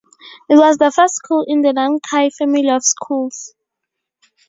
It was the first school in the Nankai Family of Schools.